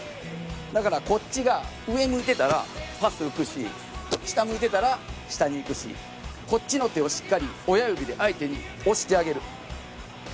だから、こっちが上向いてたらパス浮くし、下向いてたら下いくし、こっちの手をしっかり親指で相手に押してあげる。ＯＫ？